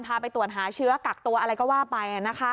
พาไปตรวจหาเชื้อกักตัวอะไรก็ว่าไป